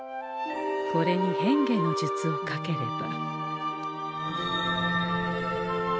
これに変化の術をかければ。